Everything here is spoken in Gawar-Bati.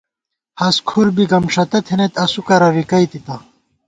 ہست کھُر بی گمݭَتہ تھنَئیت، اسُو کرہ رِکَئیتِتہ